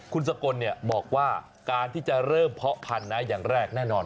คุณสกลบอกว่าการที่จะเริ่มเพาะพันธุ์อย่างแรกแน่นอน